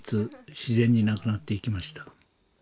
自然に亡くなっていきました。